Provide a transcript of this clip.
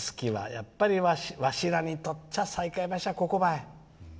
やっぱり、わしらにとっちゃ西海橋はここばい。